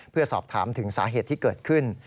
เพื่อสอบถามถึงสาเหตุที่เกิดขึ้น